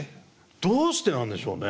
どうしてなんでしょうね。